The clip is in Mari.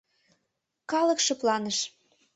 Калык шыпланыш.